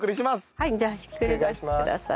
はいじゃあひっくり返してください。